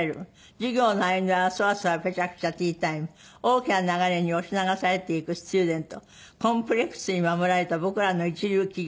「授業の合間はそわそわぺちゃくちゃティータイム」「大きな流れに押し流されていくスチューデント」「コンプレックスに守られた僕らの一流企業」